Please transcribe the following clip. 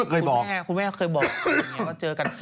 เคยบอกคุณแม่เคยบอกว่าเจอกัน